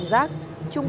dạ không ạ